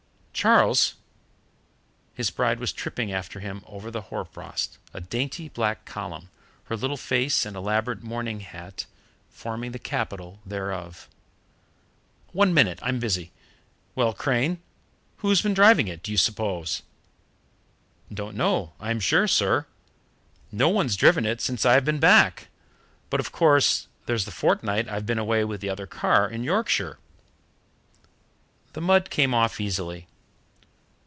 "Charles " His bride was tripping after him over the hoar frost, a dainty black column, her little face and elaborate mourning hat forming the capital thereof. "One minute, I'm busy. Well, Crane, who's been driving it, do you suppose?" "Don't know, I'm sure, sir. No one's driven it since I've been back, but, of course, there's the fortnight I've been away with the other car in Yorkshire." The mud came off easily.